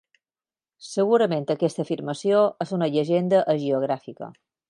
Segurament aquesta afirmació és una llegenda hagiogràfica.